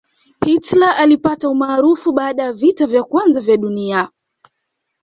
hitler alipata umaarufu baada ya vita vya kwanza ya dunia